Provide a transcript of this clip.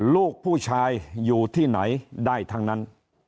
ลูกผู้ชายอยู่ที่ไหนได้ทั้งนั้น